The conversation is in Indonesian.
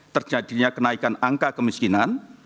terjadinya kenaikan angka kemiskinan